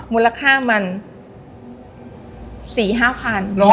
มูลค่ามัน๔๕๐๐บาท